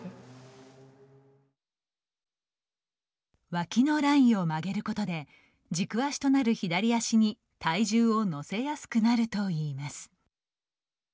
脇のラインを曲げることで軸足となる左足に体重を乗せやすくなるといいます。